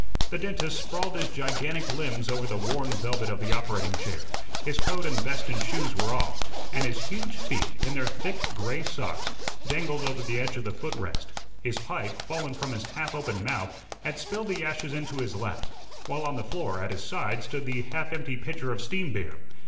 The dentist sprawled his gigantic limbs over the worn velvet of the operating chair; his coat and vest and shoes were off, and his huge feet, in their thick gray socks, dangled over the edge of the foot rest; his pipe, fallen from his half open mouth, had spilled the ashes into his lap; while on the floor, at his side stood the half empty pitcher of steam beer.